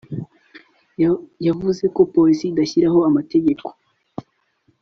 yavuze ko polisi idashyiraho amategeko